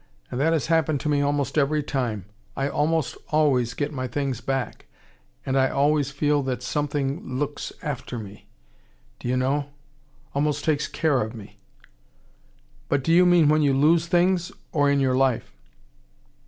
And that has happened to me almost every time. I almost always get my things back. And I always feel that something looks after me, do you know: almost takes care of me." "But do you mean when you lose things or in your life?"